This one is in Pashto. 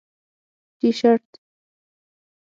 👕 تیشرت